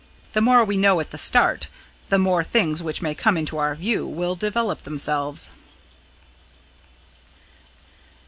The more we know at the start, the more things which may come into our view will develop themselves."